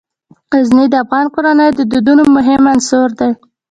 غزني د افغان کورنیو د دودونو مهم عنصر دی.